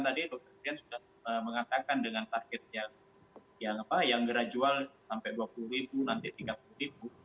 tadi dokter dian sudah mengatakan dengan target yang gradual sampai dua puluh ribu nanti tiga puluh ribu